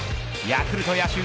ヤクルト野手